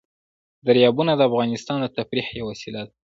دریابونه د افغانانو د تفریح یوه وسیله ده.